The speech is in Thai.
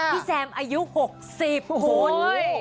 แซมอายุ๖๐คุณ